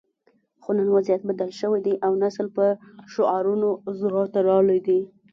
خو نن وضعیت بدل شوی دی او نسل په شعارونو زړه تړلی دی